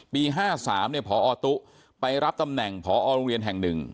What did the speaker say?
ปี๕๓เนี่ยผอตู้ไปรับตำแหน่งผอโรงเรียนแห่งหนึ่ง